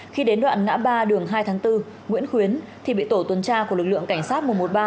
khi đến đoạn ngã ba đường hai tháng bốn nguyễn khuyến thì bị tổ tuần tra của lực lượng cảnh sát một trăm một mươi ba